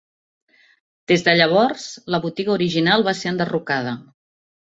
Des de llavors la botiga original va ser enderrocada.